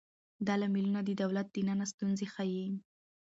دا لاملونه د دولت دننه ستونزې ښيي.